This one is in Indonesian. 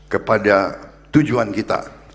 kepada tujuan kita